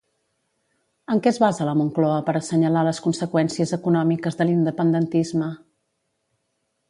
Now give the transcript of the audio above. En què es basa la Moncloa per assenyalar les conseqüències econòmiques de l'independentisme?